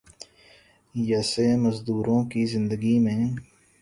یسے مزدوروں کی زندگی میں